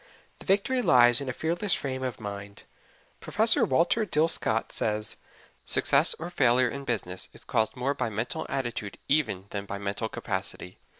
The victory lies in a fearless frame of mind. Prof. Walter Dill Scott says: "Success or failure in business is caused more by mental attitude even than by mental capacity."